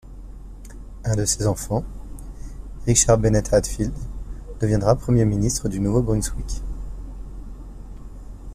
Un de ses enfants, Richard Bennett Hatfield, deviendra Premier ministre du Nouveau-Brunswick.